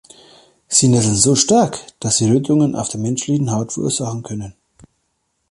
Sie nesseln so stark, dass sie Rötungen auf der menschlichen Haut verursachen können.